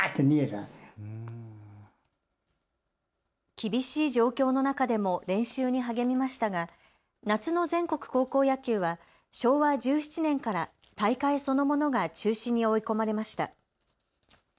厳しい状況の中でも練習に励みましたが夏の全国高校野球は昭和１７年から大会そのものが中止に追い込まれました。